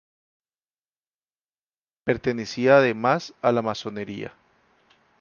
Pertenecía además a la masonería.